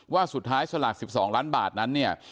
ว่าสุดท้ายสลาก๑๒ล้านบาทนั้นเนี่ย